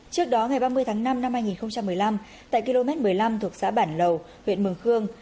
trước đó ngày ba mươi tháng năm năm hai nghìn một mươi năm tại km một mươi năm thuộc xã bản lầu huyện mường khương